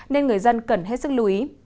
nên người dân cần hết sức lưu ý